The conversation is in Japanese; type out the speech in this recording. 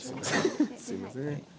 すいません。